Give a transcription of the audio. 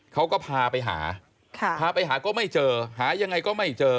เขาก็พาไปหาพาไปหาก็ไม่เจอหายังไงก็ไม่เจอ